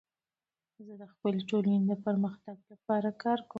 زه د خپلي ټولني د پرمختګ لپاره کار کوم.